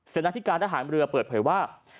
เศรษฐการณ์ทหารเรือเปิดเผยว่า